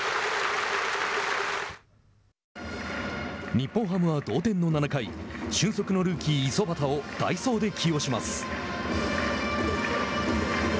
日本ハムは同点の７回俊足のルーキー、五十幡を代走で起用します。